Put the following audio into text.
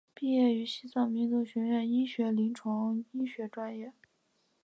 毕业于西藏民族学院医学院临床医学专业。